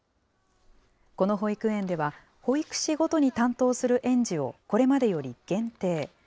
この保育園では、保育士ごとに担当する園児をこれまでより限定。